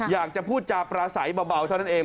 อยากจะพูดจาปราศัยเบาเท่านั้นเอง